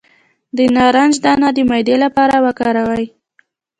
د نارنج دانه د معدې لپاره وکاروئ